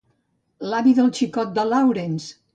L'avi del xicot de Laurence!